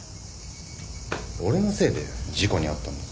俺のせいで事故に遭ったんだ。